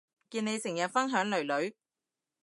見你成日分享囡囡